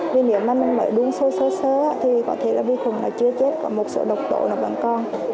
vì nếu mà mình mở đuôn xôi xơ xơ thì có thể là bệnh khuẩn nó chưa chết và một sự độc tội là bẩn con